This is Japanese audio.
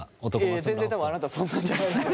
いやいや全然多分あなたそんなんじゃ。